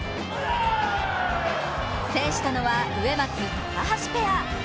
制したのは上松・高橋ペア。